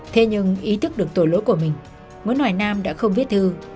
thế nhưng ý thức được tổ lỗi của mình nguyễn hoài nam đã không viết thư